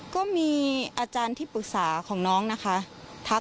ก็มีอาจารย์ที่ปรึกษาของน้องนะคะทัก